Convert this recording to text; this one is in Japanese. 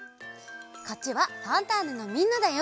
こっちは「ファンターネ！」のみんなだよ。